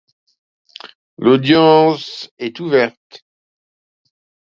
L’audience est ouverte.